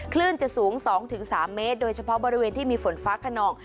คลื่นจะสูง๒๓เมตรโดยเฉพาะบริเวณที่มีฝนฟ้าขนอง